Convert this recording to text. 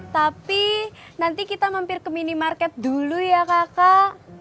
tapi nanti kita mampir ke minimarket dulu ya kakak